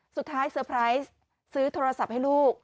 เตอร์ไพรส์ซื้อโทรศัพท์ให้ลูก